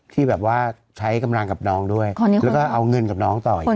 ที่แบบว่าใช้กำลังกับน้องด้วยแล้วก็เอาเงินกับน้องต่ออีก